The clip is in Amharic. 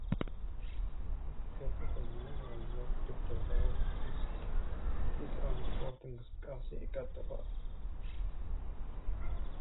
በከፍተኛ የአየር ደብደባ ውስጥ የትራንስፖርት እንቅስቃሴ ቀጥሏል።